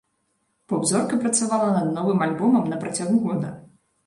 Поп-зорка працавала над новым альбомам на працягу года.